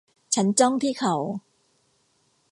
ฉันจ้องที่เขา